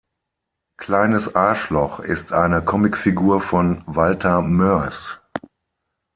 Kleines Arschloch ist eine Comicfigur von Walter Moers.